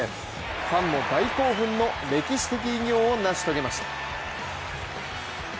ファンも大興奮の歴史的偉業を成し遂げました。